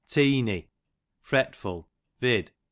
Teeny, fretful, vid.